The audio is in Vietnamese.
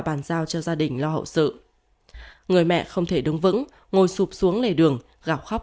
bàn giao cho gia đình lo hậu sự người mẹ không thể đứng vững ngồi sụp xuống lề đường gặp khóc